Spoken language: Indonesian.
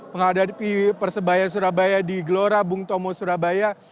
menghadapi persebaya surabaya di gelora bung tomo surabaya